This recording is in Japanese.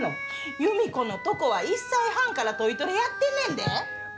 ユミコのとこは１歳半からトイトレやってんねんで。